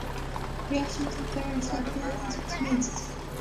Reaction to Clark's appearance was mixed.